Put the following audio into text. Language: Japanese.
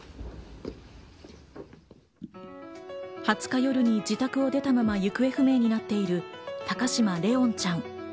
２０日夜に自宅を出たまま行方不明になっている高嶋怜音ちゃん。